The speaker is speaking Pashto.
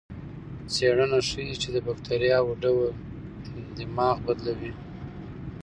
څېړنه ښيي چې د بکتریاوو ډول دماغ بدلوي.